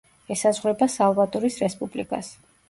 ესაზღვრება სალვადორის რესპუბლიკას.